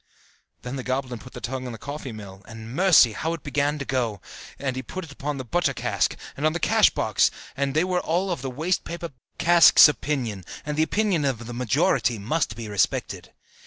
Then the goblin put the tongue upon the coffee mill, and, mercy! how it began to go! And he put it upon the butter cask, and on the cash box: they were all of the waste paper cask's opinion, and the opinion of the majority must be respected.